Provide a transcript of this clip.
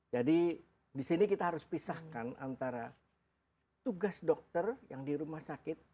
jadi di sini kita harus pisahkan antara tugas dokter yang di rumah sakit